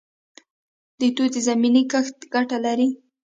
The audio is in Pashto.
د توت زمینی کښت ګټه لري؟